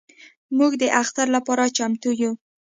موږ د اختر لپاره چمتو یو.